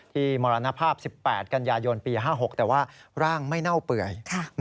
มรณภาพ๑๘กันยายนปี๕๖แต่ว่าร่างไม่เน่าเปื่อย